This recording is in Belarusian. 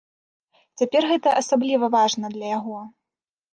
Цяпер гэта асабліва важна для яго.